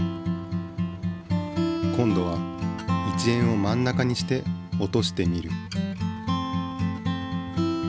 今度は１円を真ん中にして落としてみる。